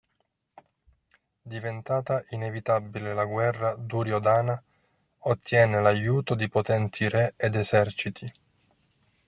Diventata inevitabile la guerra Duryodhana ottiene l'aiuto di potenti re ed eserciti.